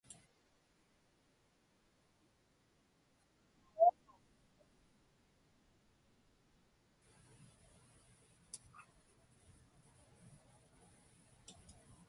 Amaġuqaqtuq.